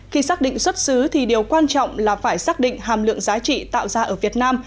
khi xác định xuất xứ thì điều quan trọng là phải xác định hàm lượng giá trị tạo ra ở việt nam